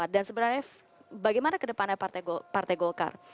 dan sebenarnya bagaimana kedepannya partai golkar